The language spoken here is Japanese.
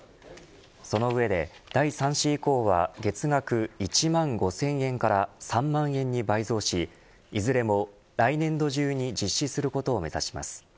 その上で第３子以降は月額１万５０００円から３万円に倍増しいずれも来年度中に実施することを目指します。